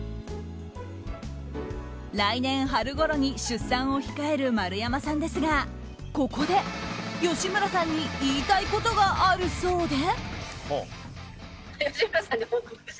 来年春ごろに出産を控える丸山さんですがここで、吉村さんに言いたいことがあるそうで。